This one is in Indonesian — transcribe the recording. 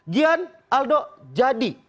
gian aldo jadi